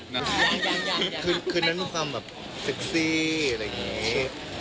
คืนนั้นมีความแบบเซ็กซี่อะไรอย่างนี้